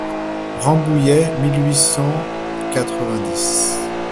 Rambouillet, mille huit cent quatre-vingt-dix.